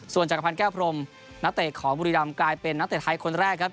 ส่วนจังหภัณฑ์แก้วพรมนักเอกของบุรีรัมณ์กลายเป็นนักเอกไทยคนแรกครับ